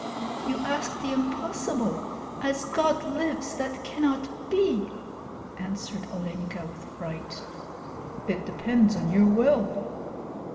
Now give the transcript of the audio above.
"You ask the impossible. As God lives, that cannot be!" answered Olenka, with fright. "It depends on your will."